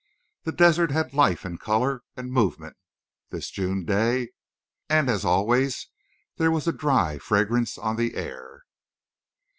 The desert had life and color and movement this June day. And as always there was the dry fragrance on the air.